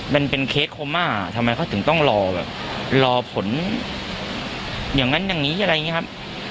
มันเป็นเคสโคม่าทำไมเขาถึงต้องรอแบบรอผลอย่างนั้นอย่างนี้อะไรอย่างนี้ครับ